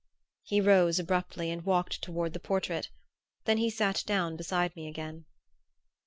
He rose abruptly and walked toward the portrait; then he sat down beside me again.